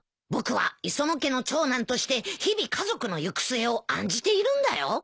僕は磯野家の長男として日々家族の行く末を案じているんだよ。